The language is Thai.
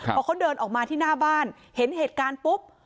พอเขาเดินออกมาที่หน้าบ้านเห็นเหตุการณ์ปุ๊บ